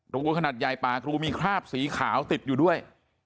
รูขนาดใหญ่ป่ากรูมีคราบสีขาวติดอยู่ด้วย